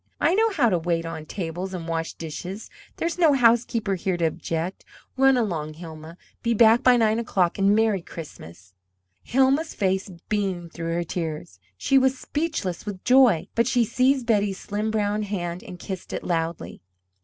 I know how to wait on table and wash dishes. There's no housekeeper here to object. Run along, Hilma; be back by nine o'clock and Merry Christmas!" Hilma's face beamed through her tears. She was speechless with joy, but she seized Betty's slim brown hand and kissed it loudly.